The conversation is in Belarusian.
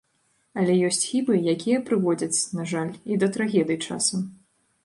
Але ёсць хібы, якія прыводзяць, на жаль, і да трагедый часам.